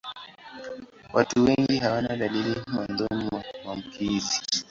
Watu wengi hawana dalili mwanzoni mwa maambukizi.